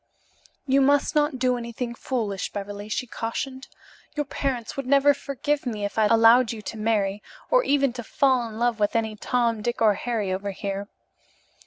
"You must not do anything foolish, Beverly," she cautioned, "Your parents would never forgive me if I allowed you to marry or even to fall in love with any Tom, Dick or Harry over here.